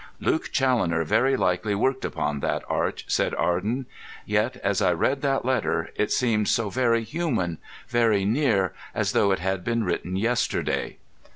"Luke Challoner very likely worked upon that arch," said Arden. "Yet, as I read that letter, it seemed so very human, very near, as though it had been written yesterday."